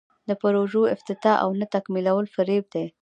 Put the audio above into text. د پروژو افتتاح او نه تکمیلول فریب دی.